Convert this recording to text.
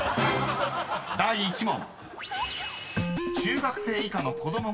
⁉［第１問］